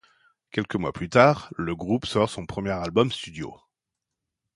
Quelques mois plus tard, le groupe sort son premier album studio, '.